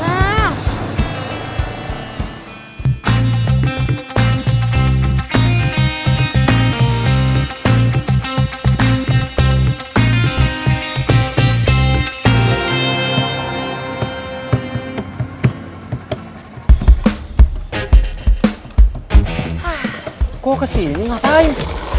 gue mau kesini ngapain